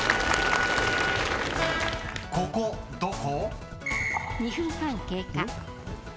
［ここどこ？］